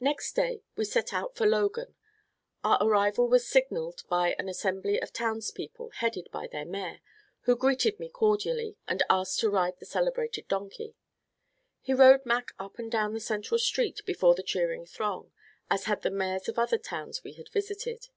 Next day we set out for Logan. Our arrival was signaled by an assembly of townspeople, headed by their Mayor, who greeted me cordially and asked to ride the celebrated donkey. He rode Mac up and down the central street before the cheering throng, as had the Mayors of other towns we had visited.